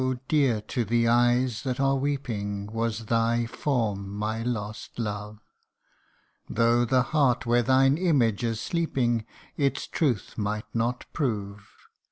dear to the eyes that are weeping Was thy form, my lost love : CANTO III. 83 Though the heart where thine image is sleeping Its truth might not prove.